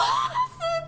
すっごい。